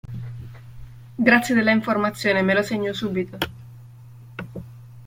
Grazie della informazione, me lo segno subito.